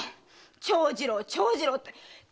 「長次郎長次郎」って。